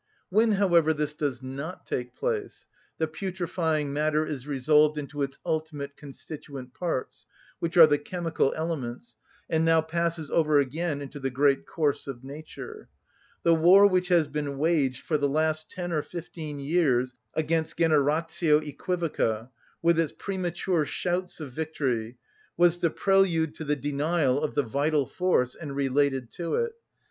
When, however, this does not take place, the putrefying matter is resolved into its ultimate constituent parts, which are the chemical elements, and now passes over again into the great course of nature. The war which has been waged for the last ten or fifteen years against generatio œquivoca, with its premature shouts of victory, was the prelude to the denial of the vital force, and related to it.